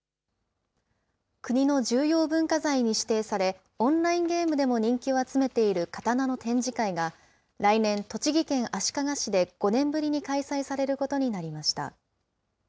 国の重要文化財に指定され、オンラインゲームでも人気を集めている刀の展示会が、来年、栃木県足利市で５年ぶりに開催されることになりました。